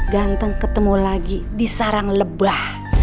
ganteng ketemu lagi di sarang lebah